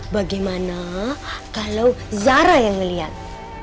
bagaimana kalau zara yang melihat